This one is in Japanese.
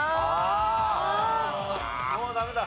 もうダメだ。